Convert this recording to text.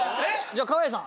川栄さん。